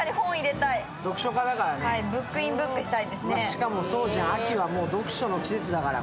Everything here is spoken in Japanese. しかも、そうじゃん秋は読書の季節だから。